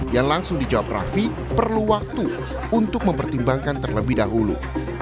yang langsung dijawab raffi perlu waktu untuk mempertimbangkan terlebih dahulu